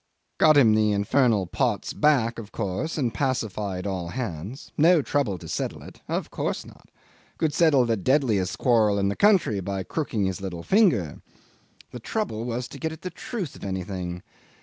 Got him the infernal pots back of course and pacified all hands. No trouble to settle it. Of course not. Could settle the deadliest quarrel in the country by crooking his little finger. The trouble was to get at the truth of anything.